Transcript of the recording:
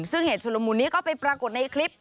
ซึ่งเหตุชุลมุนนี้ก็ไปปรากฏในคลิป